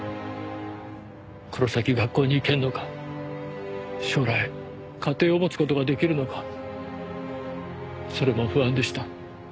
この先学校に行けるのか将来家庭を持つ事ができるのかそれも不安でした。